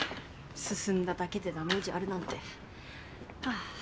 進んだだけでダメージあるなんてはぁ。